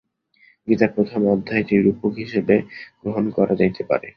গীতার প্রথম অধ্যায়টি রূপক হিসাবে গ্রহণ করা যাইতে পারে।